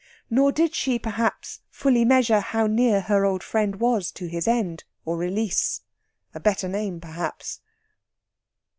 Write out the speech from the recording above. Nor did she, perhaps, fully measure how near her old friend was to his end, or release a better name, perhaps.